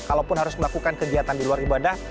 kalaupun harus melakukan kegiatan di luar ibadah